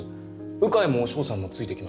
鵜飼も志保さんもついてきました。